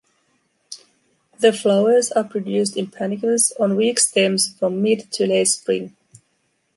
The flowers are produced in panicles on weak stems from mid to late spring.